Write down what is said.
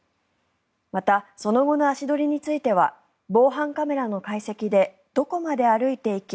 また、その後の足取りについては防犯カメラの解析でどこまで歩いていき